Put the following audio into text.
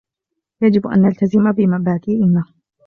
يجب أن نلتزم بمبادئنا.